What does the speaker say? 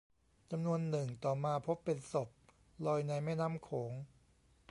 จำนวนหนึ่งต่อมาพบเป็นศพลอยในแม่น้ำโขง